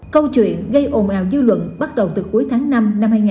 câu chuyện gây ồn ào dư luận bắt đầu từ cuối tháng năm năm hai nghìn hai mươi ba